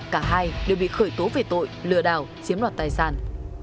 cả hai đều bị khởi tố về tội lừa đảo chiếm đoạt tài sản